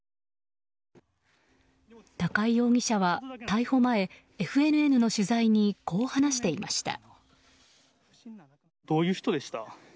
高井容疑者は逮捕前ＦＮＮの取材にこう話していました。